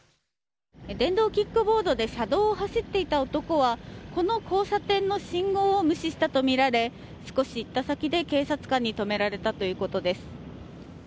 電動キックボードで車道を走っていた男はこの交差点の信号を無視したとみられ少し行った先で、警察官に止められたということです。